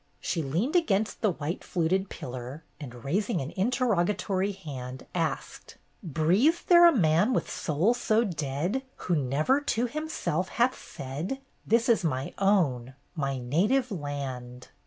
She leaned against the 1 82 BETTY BAIRD'S GOLDEN YEAR white fluted pillar, and, raising an interrogatory hand, asked: "' Breathes there a man with soul so dead Who never to himself hath said, This is my own, my native land